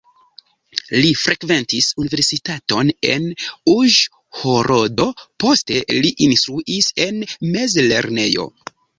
Li frekventis universitaton en Uĵhorodo, poste li instruis en mezlernejo.